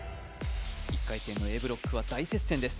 １回戦のＡブロックは大接戦です